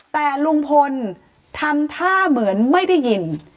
แต่ลุงพลทำท่าเหมือนไม่ได้ยิน